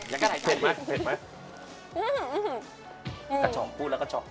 ยากง๊ะไม่โกรธไปห์ของเราก็ทรง